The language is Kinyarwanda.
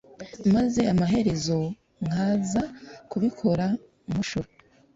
maze amaherezo nkaza kubikora mpushura